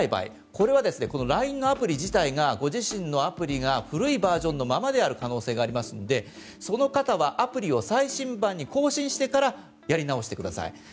このＬＩＮＥのアプリ自体がご自身のアプリが古いバージョンのままである可能性がありますんでその方はアプリを最新版に更新してからやり直してください。